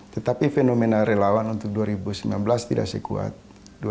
tetapi fenomena relawan untuk dua ribu sembilan belas tidak sekuat